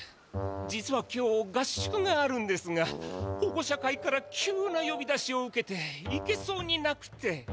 実は今日合宿があるんですが保護者会から急なよび出しを受けて行けそうになくて。